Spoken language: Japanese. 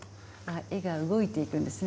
絵が動いていくんですね。